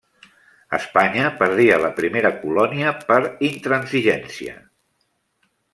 Espanya perdia la primera colònia per intransigència.